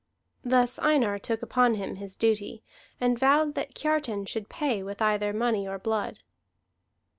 Thus Einar took upon him his duty, and vowed that Kiartan should pay with either money or blood.